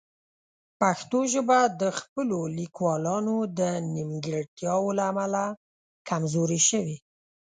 پښتو ژبه د خپلو لیکوالانو د نیمګړتیاوو له امله کمزورې شوې.